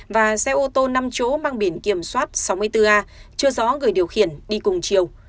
và xe ô tô năm chỗ mang biển kiểm soát sáu mươi bốn a chưa rõ người điều khiển đi cùng chiều